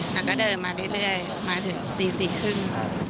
แล้วก็เดินมาเรื่อยมาถึง๔ครึ่ง